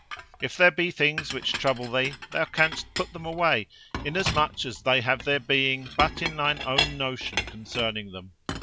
"If there be things which trouble thee thou canst put them away, inasmuch as they have their being but in thine own notion concerning them.